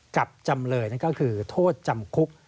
จำเลยนั่นก็คือโทษจำคุก